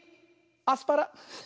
アスパラ。